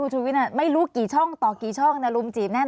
คุณชุดวิทย์ไม่รู้กี่ช่องต่อกี่ช่องนรุมจีบแน่นอน